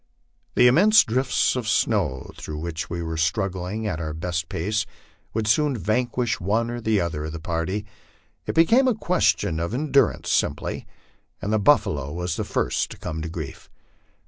The immense drifts of snow through which we were struggling at our best pace would soon vanquish one or the other of the party ; it became a question of endurance simply, and the buffalo was the first to come to grief.